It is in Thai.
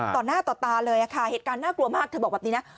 ต่อหน้าต่อตาเลยค่ะเหตุการณ์น่ากลัวมากเธอบอกแบบนี้นะ